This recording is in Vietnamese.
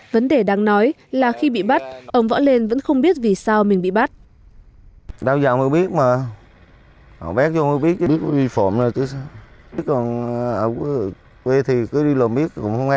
vấn đề đáng nói là khi bị bắt ông võ lên vẫn không biết vì sao mình bị bắt